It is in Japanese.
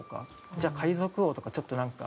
じゃあ「海賊王」とかちょっとなんか。